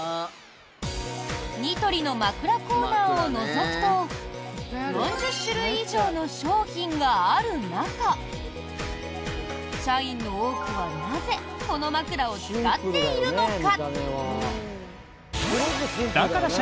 ニトリの枕コーナーをのぞくと４０種類以上の商品がある中社員の多くはなぜ、この枕を使っているのか？